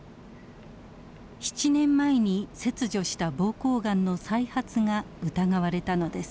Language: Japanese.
７年前に切除した膀胱がんの再発が疑われたのです。